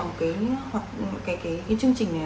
một cái chương trình này